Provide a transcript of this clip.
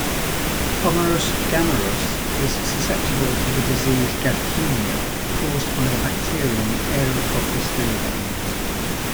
"Homarus gammarus" is susceptible to the disease gaffkaemia, caused by the bacterium "Aerococcus viridans".